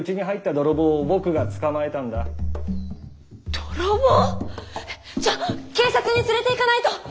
泥棒⁉えっじゃあ警察に連れていかないとッ！